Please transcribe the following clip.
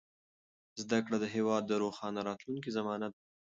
زده کړه د هېواد د روښانه راتلونکي ضمانت دی.